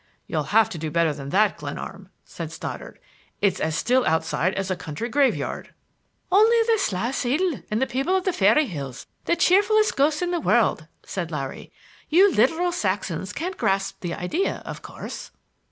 "You'll have to do better than that, Glenarm," said Stoddard. "It's as still outside as a country graveyard." "Only the slaugh sidhe, the people of the faery hills, the cheerfulest ghosts in the world," said Larry. "You literal Saxons can't grasp the idea, of course."